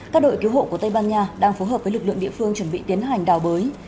các đội cứu hộ của tây ban nha đang phối hợp với lực lượng địa phương chuẩn bị tiến hành đào bới